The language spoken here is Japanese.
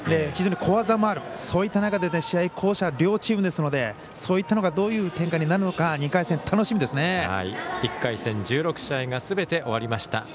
非常に個技もあるそういった中で試合巧者両チームですのでそういったのがどういった展開になるか１回戦、１６試合がすべて終わりました。